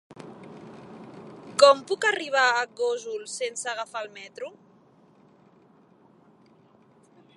Com puc arribar a Gósol sense agafar el metro?